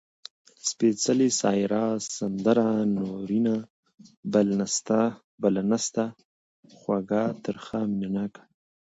سپېڅلې ، سايره ، سندره، نورينه . بله نسته، خوږَه، ترخه . مينه ناکه